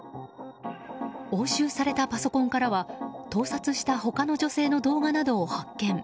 押収されたパソコンからは盗撮した他の女性などの動画を発見。